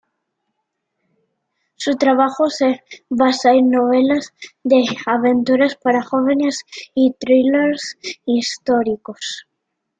Su trabajo se basa en novelas de aventura para jóvenes y thrillers históricos.